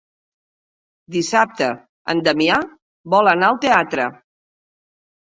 Dissabte en Damià vol anar al teatre.